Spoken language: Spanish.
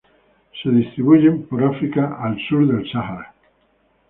Se distribuyen por África al sur del Sahara.